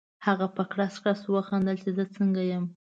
هغه په کړس کړس وخندل چې زه څنګه یم؟